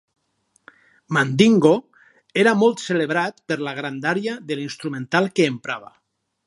Mandín Go era molt celebrat per la grandària de l'instrumental que emprava.